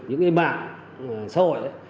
những cái mạng xã hội